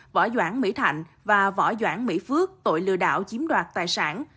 võ doãn mỹ thạnh và võ doãn mỹ phước tội lừa đảo chiếm đoạt tài sản